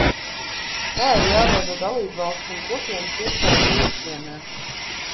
Tā ir jāveido dalībvalstu un Kopienas iestāžu iekšienē.